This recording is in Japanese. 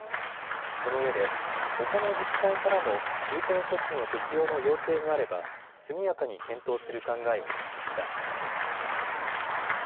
そのうえでほかの自治体からも重点措置の適用の要請があれば速やかに検討する考えを示しました。